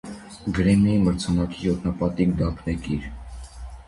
«Գրեմմի» մրցանակի յոթնապատիկ դափնեկիր։